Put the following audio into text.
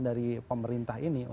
dari pemerintah ini